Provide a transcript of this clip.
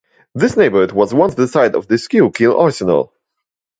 This neighborhood was once the site of the Schuylkill Arsenal.